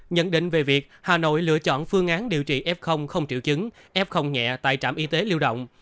nhận định về việc hà nội lựa chọn phương án điều trị f không triệu chứng f nhẹ tại trạm y tế lưu động